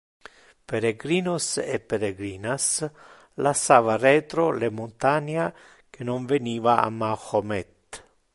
Peregrinos e peregrinas lassava retro le montania que non veniva a mahomet.